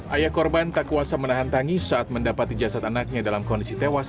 ayah korban tak kuasa menahan tangis saat mendapati jasad anaknya dalam kondisi tewas